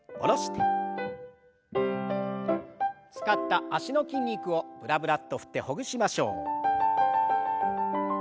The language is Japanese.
使った脚の筋肉をブラブラッと振ってほぐしましょう。